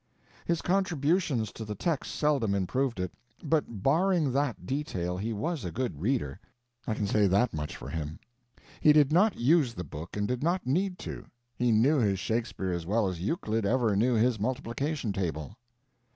His contributions to the text seldom improved it, but barring that detail he was a good reader; I can say that much for him. He did not use the book, and did not need to; he knew his Shakespeare as well as Euclid ever knew his multiplication table.